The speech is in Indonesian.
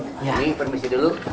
umi permisi dulu